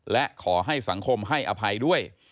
และขอให้สังคมให้อภัยด้วย